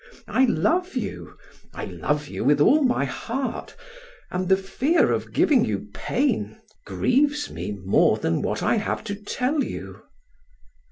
I love you; I love you with all my heart, and the fear of giving you pain grieves me more than what I have to tell you."